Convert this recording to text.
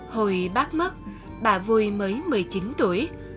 hồi bác mất bà vui mới một mươi chín tuổi